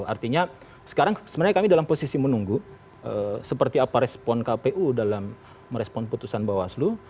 artinya sekarang sebenarnya kami dalam posisi menunggu seperti apa respon kpu dalam merespon putusan bawaslu